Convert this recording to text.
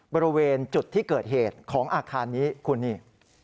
บริเวณจุดที่เกิดเหตุของอาคารนี้คุณนี่